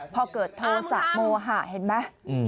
พอเกิดโทษะโมหะเห็นไหม